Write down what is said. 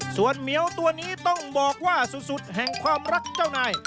ส่วนเหมียวตัวนี้ต้องบอกว่าสุดแห่งความรักเจ้านาย